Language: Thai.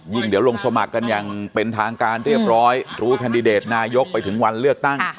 เดี๋ยวลงสมัครกันอย่างเป็นทางการเรียบร้อยรู้แคนดิเดตนายกไปถึงวันเลือกตั้ง